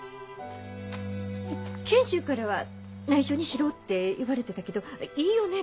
賢秀からはないしょにしろって言われてたけどいいよね